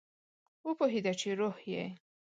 وپوهیده چې روح یې